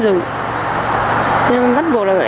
nhưng bắt buộc là em phải đi theo nhà xe